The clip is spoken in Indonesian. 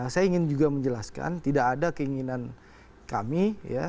saya ingin juga menjelaskan tidak ada keinginan kami ya